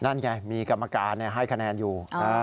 นั่นไงมีกรรมการให้คะแนนอยู่